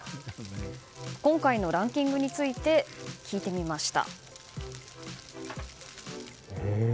今回のランキングについて聞いてみました。